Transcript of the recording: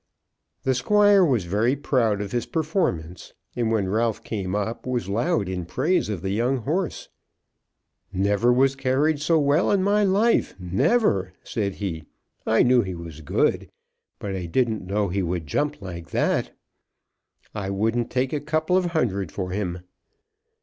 The Squire was very proud of his performance, and, when Ralph came up, was loud in praise of the young horse. "Never was carried so well in my life, never," said he. "I knew he was good, but I didn't know he would jump like that. I wouldn't take a couple of hundred for him."